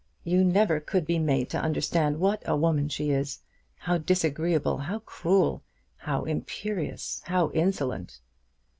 "You never could be made to understand what a woman she is; how disagreeable, how cruel, how imperious, how insolent."